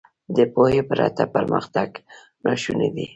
• د پوهې پرته پرمختګ ناشونی دی.